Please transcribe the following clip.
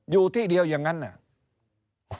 อยู่ที่เดียวอย่างนั้นน่ะ